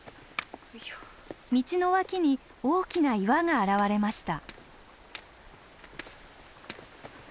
道の脇に大きな岩が現れました。